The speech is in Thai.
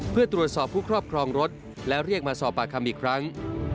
เพื่อตรวจสอบผู้ครอบครองรถและเรียกมาสอบปากคำอีกครั้ง